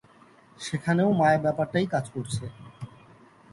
সেখানেও মায়া ব্যাপারটাই কাজ করছে।